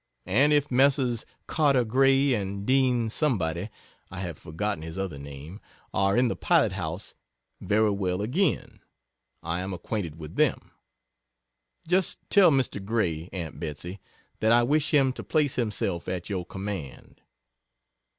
And if Messrs. Carter Gray and Dean Somebody (I have forgotten his other name,) are in the pilot house very well again I am acquainted with them. Just tell Mr. Gray, Aunt Betsey that I wish him to place himself at your command.